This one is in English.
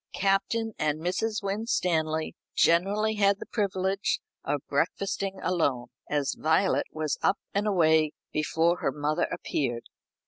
Captain and Mrs. Winstanley generally had the privilege of breakfasting alone, as Violet was up and away before her mother appeared.